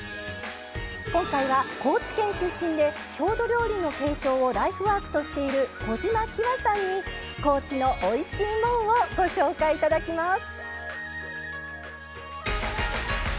今回は高知県出身で郷土料理の継承をライフワークとしている小島喜和さんに「高知のおいしいもん」をご紹介いただきます